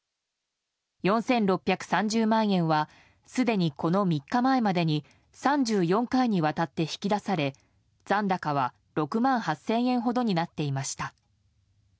４６３０万円はすでに、この３日前までに３４回にわたって引き出され残高は６万８０００円ほどになっていました。